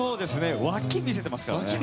わき見せてますからね。